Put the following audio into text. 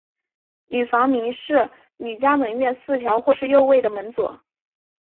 女房名是安嘉门院四条或是右卫门佐。